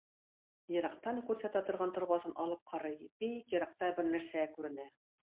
Ерактан күрсәтә торган торбасын алып карый, бик еракта бер нәрсә күренә.